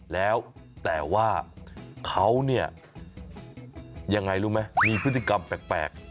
แล้วแต่ว่าเขาเนี่ยยังไงรู้ไหมมีพฤติกรรมแปลก